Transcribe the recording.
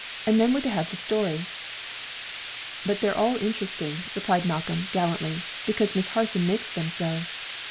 And then we're to have the story." "But they're all interesting," replied Malcolm, gallantly, "because Miss Harson makes them so."